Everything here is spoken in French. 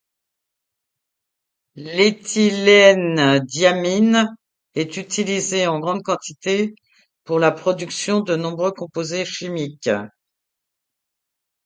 L'éthylènediamine est utilisée en grande quantité pour la production de nombreux composés chimiques.